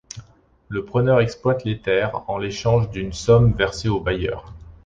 Le preneur exploite les terres en l'échange d'une somme versée au bailleur.